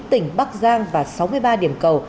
tỉnh bắc giang và sáu mươi ba điểm cầu